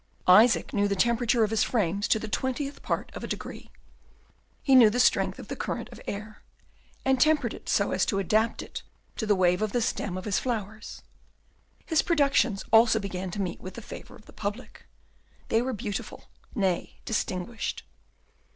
Isaac knew the temperature of his frames to the twentieth part of a degree. He knew the strength of the current of air, and tempered it so as to adapt it to the wave of the stems of his flowers. His productions also began to meet with the favour of the public. They were beautiful, nay, distinguished.